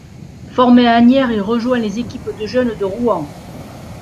Formé à Asnières, il rejoint les équipes de jeunes de Rouen.